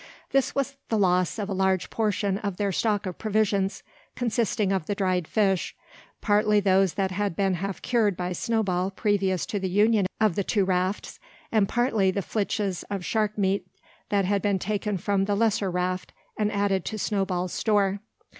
This was the loss of a large portion of their stock of provisions, consisting of the dried fish, partly those that had been half cured by Snowball previous to the union of the two rafts, and partly the flitches of shark meat, that had been taken from the lesser raft, and added to Snowball's store.